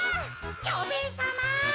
蝶兵衛さま！